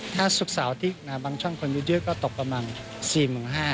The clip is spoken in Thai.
ถ้าสุขสาวที่บางช่องคนยืดก็ตกประมาณ๔๕มี